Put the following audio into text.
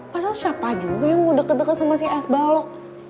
padahal siapa juga yang mau deket deket sama si es balok